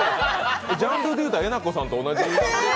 ジャンルで言うたらえなこさんと同じ。